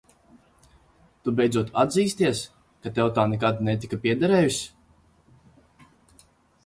Tu beidzot atzīsties, ka tev tā nekad netika piederējusi?